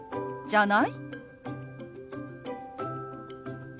「じゃない？」。